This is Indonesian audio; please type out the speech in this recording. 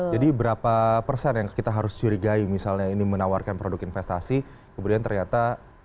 jadi berapa persen yang kita harus curigai misalnya ini menawarkan produk investasi kemudian ternyata